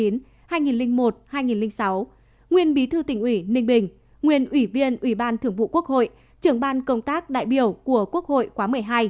nguyên bí thư tỉnh ủy ninh bình nguyên ủy viên ủy ban thường vụ quốc hội trưởng ban công tác đại biểu của quốc hội khóa một mươi hai